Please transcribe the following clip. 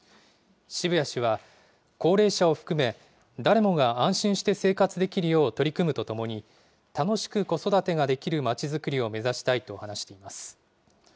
渋谷氏は高齢者を含め、誰もが安心して生活できるよう取り組むとともに、楽しく子育てができるまちづくりを目指したいと話しています。